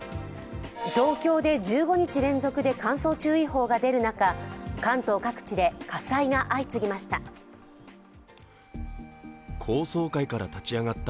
東京で１５日連続で乾燥注意報が出る中、関東各地で火災が相次ぎました。